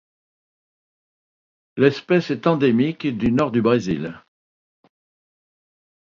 L'espèce est endémique du nord du Brésil.